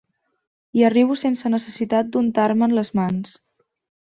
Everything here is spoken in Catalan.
Hi arribo sense necessitat d'untar-me'n les mans.